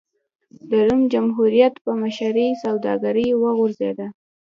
د روم جمهوریت په مشرۍ سوداګري وغوړېده.